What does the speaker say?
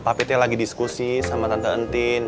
tapi teh lagi diskusi sama tante entin